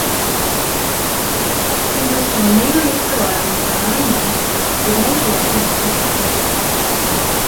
He was to remain on Easter Island for nine months, evangelizing its inhabitants.